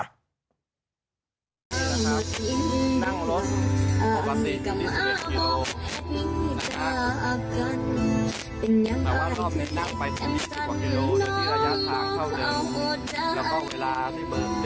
กรอถังครั้งแล้วก็บอกว่ามันแตกต่างกันอย่างไงรอดแทบไม่ได้นะครับ